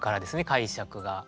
解釈が。